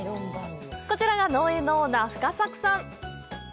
こちらが農園のオーナー、深作さん。